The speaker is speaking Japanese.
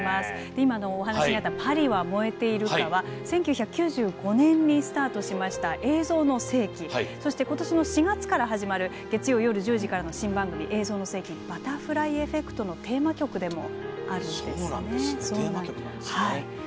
今のお話にあった「パリは燃えているか」は１９９５年にスタートしました「映像の世紀」そして、ことしの４月から始まる月曜夜１０時からの新番組「映像の世紀バタフライエフェクト」のテーマ曲でもあるんですね。